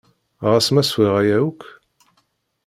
Ɣas ma swiɣ aya akk?